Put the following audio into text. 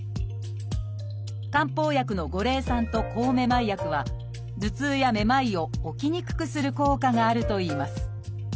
漢方薬の五苓散と抗めまい薬は頭痛やめまいを起きにくくする効果があるといいます。